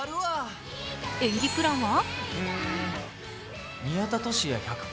演技プランは？